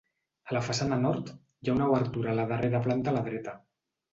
A la façana nord, hi ha una obertura a la darrera planta a la dreta.